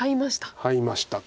ハイましたか。